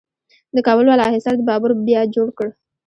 د کابل بالا حصار د بابر بیا جوړ کړ